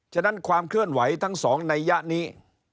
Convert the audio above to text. ฉะนั้นความเคลื่อนไหวทั้งสองในยะนี้